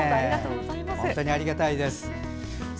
本当にありがたいですね。